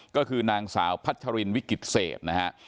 ก็คือนางสาวพัชรินวิกิตเสพนะครับ